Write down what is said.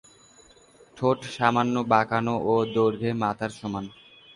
ঠোঁট সামান্য বাঁকানো ও দৈর্ঘ্যে মাথার সমান।